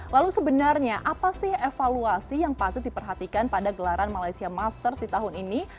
lalu sebenarnya apa sih evaluasi yang patut diperhatikan pada gelaran malaysia masters di tahun ini